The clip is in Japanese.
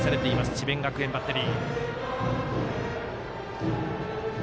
智弁学園バッテリー。